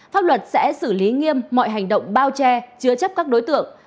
pháp luật sẽ xử lý nghiêm mọi hành động bao che chứa chấp các đối tượng